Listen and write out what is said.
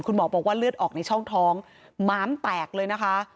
บอกว่าเลือดออกในช่องท้องม้ามแตกเลยนะคะ